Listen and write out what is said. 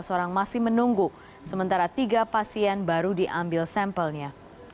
tiga belas orang masih menunggu sementara tiga pasien baru diambil sampelnya